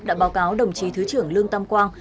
đã báo cáo đồng chí thứ trưởng lương tam quang